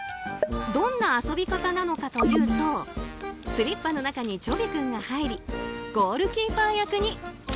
どんな遊び方なのかというとスリッパの中にちょび君が入りゴールキーパー役に。